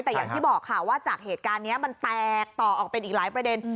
แต่อย่างที่บอกค่ะว่าจากเหตุการณ์นี้มันแตกต่อออกเป็นอีกหลายประเด็น